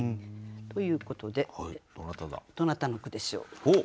ということでどなたの句でしょう？